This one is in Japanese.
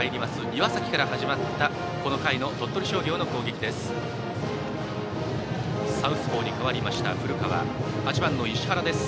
岩崎から始まったこの回の鳥取商業の攻撃です。